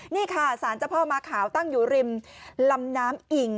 นี่ค่ะสารเจ้าพ่อม้าขาวตั้งอยู่ริมลำน้ำอิ่ง